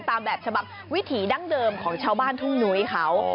ตามแบบฉบับวิถีดั้งเดิมของชาวบ้านทุ่งนุ้ยเขา